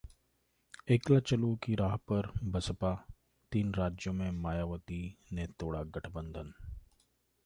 एकला चलो की राह पर बसपा, तीन राज्यों में मायावती ने तोड़ा गठबंधन